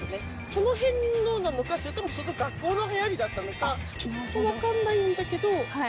その辺のなのかそれとも学校の流行りだったのかちょっと分かんないんだけど。